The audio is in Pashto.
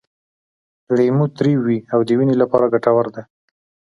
لیمو تریو وي او د وینې لپاره ګټور دی.